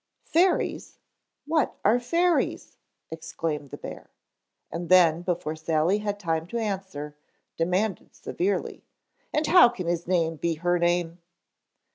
"Fairies! What are fairies?" exclaimed the bear. And then, before Sally had time to answer, demanded severely, "How can his name be her name?"